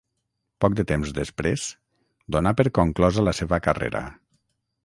Poc de temps després, donà per conclosa la seva carrera.